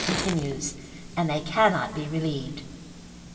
continues, and they cannot be relieved.